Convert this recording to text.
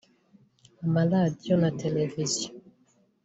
amaradiyo na televiziyo